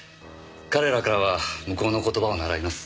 彼らからは向こうの言葉を習います。